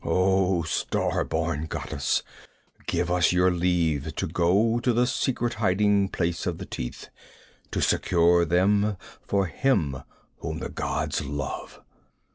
Oh star born goddess, give us your leave to go to the secret hiding place of the Teeth to secure them for him whom the gods love!'